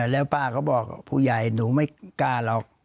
แล้วป้าก็บอกผู้ใหญ่หนูไม่กล้าหรอก